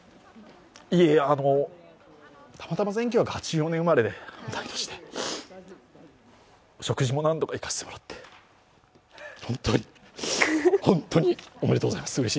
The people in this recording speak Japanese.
いやいや、たまたま１９８４年生まれで同い年で、食事も何度か行かせてもらってホントに、ホントにおめでとうございます。